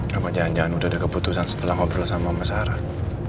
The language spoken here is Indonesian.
kamu jangan jangan udah ada keputusan setelah ngobrol sama sama sarah